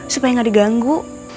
supaya gak diganggu